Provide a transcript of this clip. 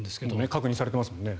確認されてますもんね。